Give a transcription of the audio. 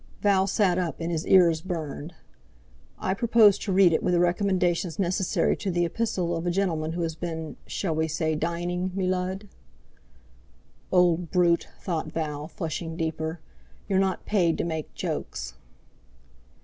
Val sat up and his ears burned. "I propose to read it with the emendations necessary to the epistle of a gentleman who has been—shall we say dining, me Lud?" "Old brute!" thought Val, flushing deeper; "you're not paid to make jokes!"